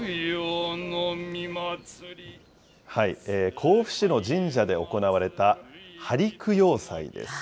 甲府市の神社で行われた、針供養祭です。